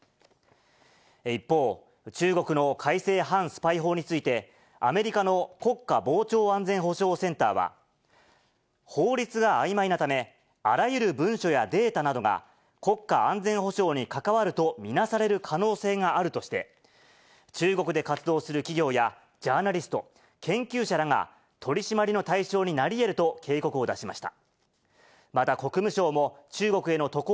一方、中国の改正反スパイ法について、アメリカの国家防諜安全保障センターは、法律があいまいなため、あらゆる文書やデータなどが、国家安全保障に関わると見なされる可能性があるとして、中国で活動する企業やジャーナリスト、研究者らが取締りの対象になりえると警告を出しました。